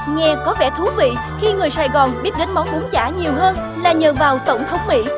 nghe có vẻ thú vị khi người sài gòn biết đến món bún giả nhiều hơn là nhờ vào tổng thống mỹ